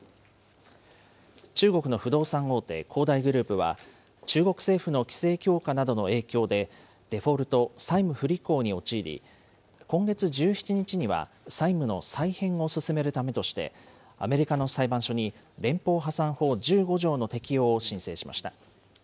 中国の不動産大手、恒大グループは、中国政府の規制強化などの影響で、デフォルト・債務不履行に陥り、今月１７日には債務の再編を進めるためとして、アメリカの裁判所に連邦破産法１５条の適用を申請しました。